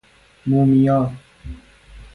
مومیا